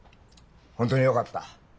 本当によかった。